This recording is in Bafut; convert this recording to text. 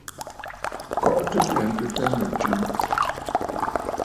Kɔʼɔtə ŋghɛntə mə tswe.